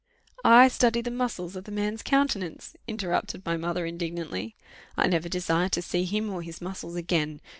I study the muscles of the man's countenance!" interrupted my mother, indignantly; "I never desire to see him or his muscles again!